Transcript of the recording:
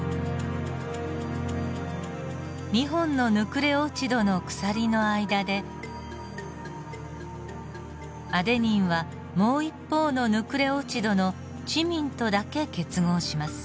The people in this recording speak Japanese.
２本のヌクレオチドの鎖の間でアデニンはもう一方のヌクレオチドのチミンとだけ結合します。